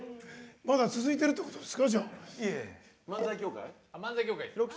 まだ続いてるってことですか。